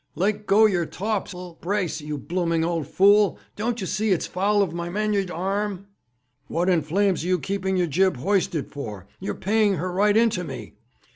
'Let go your tawps'l brace, you blooming old fool! Don't you see it's foul of my mainyard arm?' 'What in flames are you keeping your jib hoisted for? You're paying her right into me!'